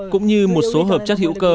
cũng như một số hợp chất hiệu cơ